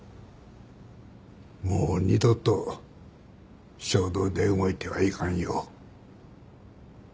もう二度と衝動で動いてはいかんよ。